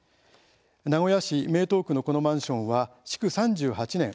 名古屋市名東区のこのマンションは築３８年。